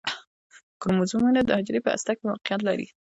کروموزومونه د حجرې په هسته کې موقعیت لري